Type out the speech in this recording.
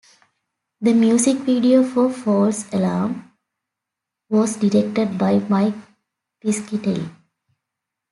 The music video for "False Alarm" was directed by Mike Piscitelli.